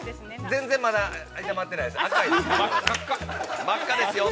◆全然まだ炒まってないです。